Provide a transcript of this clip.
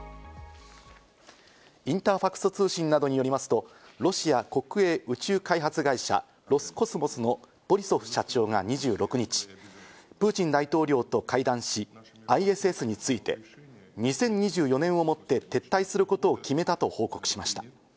インターファクス通信などによりますと、ロシア国営宇宙開発会社・ロスコスモスのボリソフ社長が２６日、プーチン大統領と会談し、ＩＳＳについて、２０２４年をもって撤退することを決めたと報告しました。